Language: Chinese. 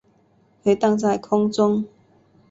回荡在空中